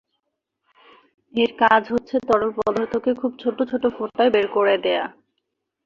এর কাজ হচ্ছে তরল পদার্থকে খুব ছোট ছোট ফোঁটায় বের করে দেয়া।